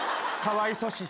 かわいそし。